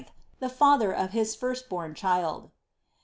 the father nf his first born child.